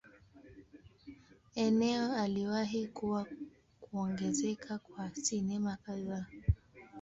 Eneo aliwahi kuwa kuongezeka kwa sinema kadhaa.